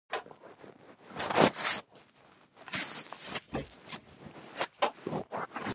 آیا د پورونو ورکړه ګرانه ده؟